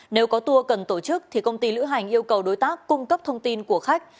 nếu có tour cần tổ chức thì công ty lữ hành yêu cầu đối tác cung cấp thông tin của khách